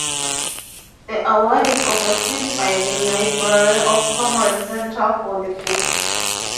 The award is overseen by the Library of Congress Center for the Book.